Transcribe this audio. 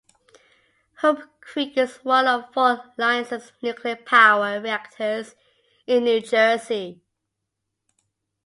Hope Creek is one of four licensed nuclear power reactors in New Jersey.